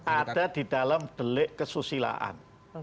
ada di dalam delik kesusilaan